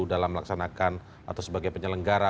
dalam melaksanakan atau sebagai penyelenggara